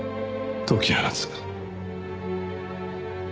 解き放つ？